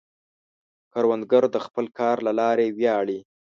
کروندګر د خپل کار له لارې ویاړي